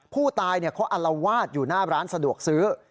ผู้ตายเขาอัลวาดอยู่หน้าร้านสะดวกซื้อ